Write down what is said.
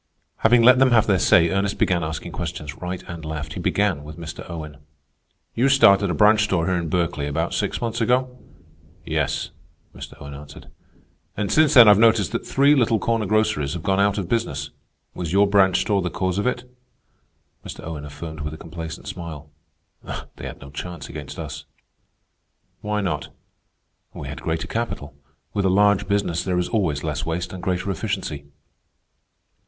Having let them have their say, Ernest began asking questions right and left. He began with Mr. Owen. "You started a branch store here in Berkeley about six months ago?" "Yes," Mr. Owen answered. "And since then I've noticed that three little corner groceries have gone out of business. Was your branch store the cause of it?" Mr. Owen affirmed with a complacent smile. "They had no chance against us." "Why not?" "We had greater capital. With a large business there is always less waste and greater efficiency."